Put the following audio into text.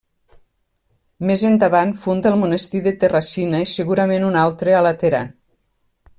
Més endavant funda el monestir de Terracina i segurament un altre a Laterà.